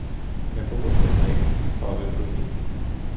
Не було одних, спали другі.